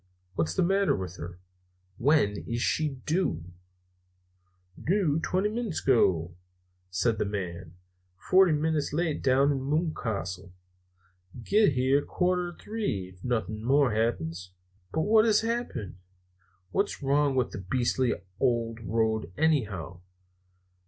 What's the matter with her? When is she due?" "Doo twenty minits ago," said the man. "Forty minits late down to Moocastle. Git here quatter to three, ef nothin' more happens." "But what has happened? What's wrong with the beastly old road, anyhow?"